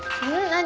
何？